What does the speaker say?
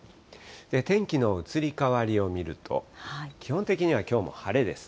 天気の移り変わりを見ると、基本的にはきょうも晴れです。